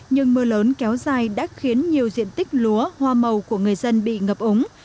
nhưng mưa lớn kéo dài đã khiến nhiều diện tích lúa hoa màu của người dân bị ngập ống